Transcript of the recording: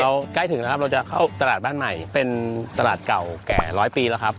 ใกล้ถึงแล้วครับเราจะเข้าตลาดบ้านใหม่เป็นตลาดเก่าแก่ร้อยปีแล้วครับ